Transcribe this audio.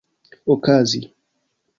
okazi